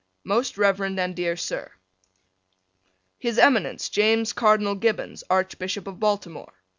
Most Rev. and dear Sir: His Eminence, James Cardinal Gibbons, Archbishop of Baltimore.